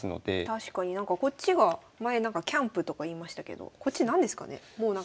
確かになんかこっちが前なんかキャンプとか言いましたけどこっち何ですかねもうなんか。